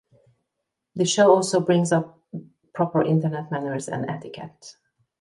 The show also brings up proper internet manners and etiquette.